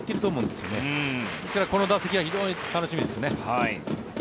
ですからこの打席は非常に楽しみですよね。